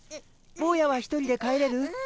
ぼうやは１人で帰れる？